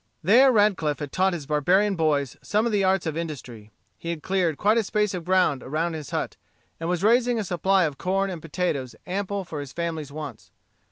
There Radcliff had taught his barbarian boys some of the arts of industry. He had cleared quite a space of ground around his hut, and was raising a supply of corn and potatoes ample for his family wants.